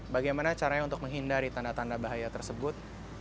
bagaimana caranya untuk menghindari tanda tanda bahaya tersebut